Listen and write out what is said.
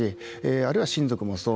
あるいは親族もそう。